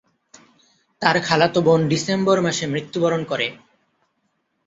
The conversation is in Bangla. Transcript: তার খালাতো বোন ডিসেম্বর মাসে মৃত্যুবরণ করে।